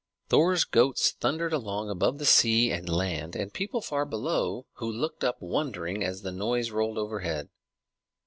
Thor's goats thundered along above the sea and land and people far below, who looked up wondering as the noise rolled overhead.